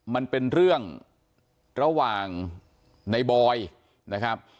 มันเป็นเรื่องระหว่างในบอยนะครับ